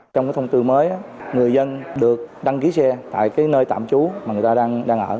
trong cái thông tư mới người dân được đăng ký xe tại cái nơi tạm trú mà người ta đang ở